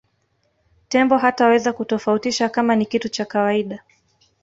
tembo hataweza kutofautisha kama ni kitu cha kawaida